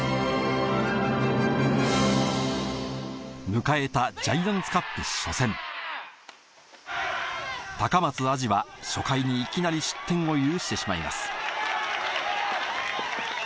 迎えたジャイアンツカップ初戦高松庵治は初回にいきなり失点を許してしまいます